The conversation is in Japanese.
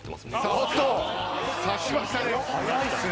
おっとさしましたね。